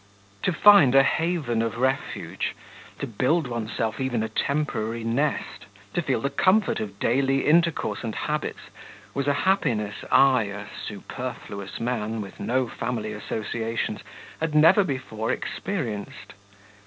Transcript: To find a haven of refuge, to build oneself even a temporary nest, to feel the comfort of daily intercourse and habits, was a happiness I, a superfluous man, with no family associations, had never before experienced.